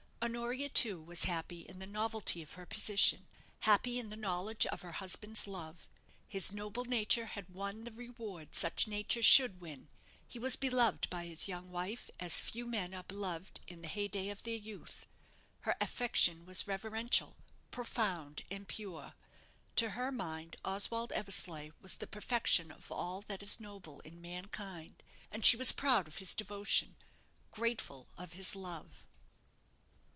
Honoria, too, was happy in the novelty of her position; happy in the knowledge of her husband's love. His noble nature had won the reward such natures should win. He was beloved by his young wife as few men are beloved in the heyday of their youth. Her affection was reverential, profound, and pure. To her mind, Oswald Eversleigh was the perfection of all that is noble in mankind, and she was proud of his devotion, grateful of his love.